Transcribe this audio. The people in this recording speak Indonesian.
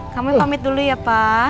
kami pamit dulu ya pak